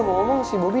mukanya tidur sium lagi